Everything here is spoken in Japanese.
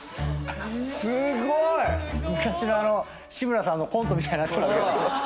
すごい！昔の志村さんのコントみたいに。